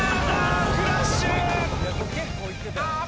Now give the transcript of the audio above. クラッシュ！